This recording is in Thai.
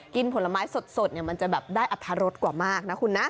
ผลไม้สดมันจะแบบได้อรรถรสกว่ามากนะคุณนะ